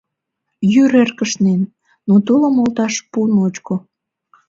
Йӱр эркышнен, но тулым олташ пу ночко.